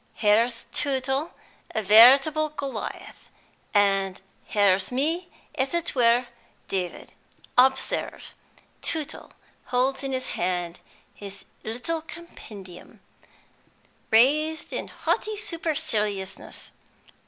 "Here's Tootle, a veritable Goliath; here's me, as it were David. Observe; Tootle holds in his hand his 'little compendium,' raised in haughty superciliousness.